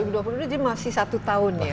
dua ribu dua puluh dua jadi masih satu tahun ya